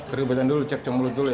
keributan dulu cekcok mulut dulu ya